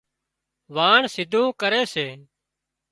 واڻ سيڌون ڪري سي